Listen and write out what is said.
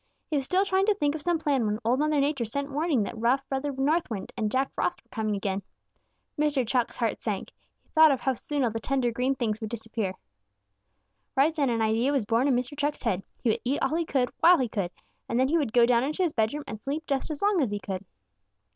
He was still trying to think of some plan when Old Mother Nature sent warning that rough Brother North Wind and Jack Frost were coming again. Mr. Chuck's heart sank. He thought of how soon all the tender green things would disappear. Right then an idea was born in Mr. Chuck's head. He would eat all he could while he could, and then he would go down into his bedroom and sleep just as long as he could!